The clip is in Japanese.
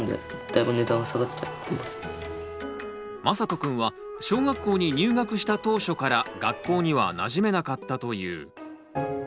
まさとくんは小学校に入学した当初から学校にはなじめなかったという。